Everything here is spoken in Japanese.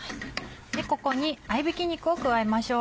ここに合びき肉を加えましょう。